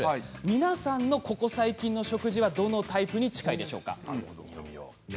皆さんのここ最近の食事はどのタイプに近いでしょうか。